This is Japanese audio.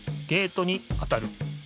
ゲートに当たる。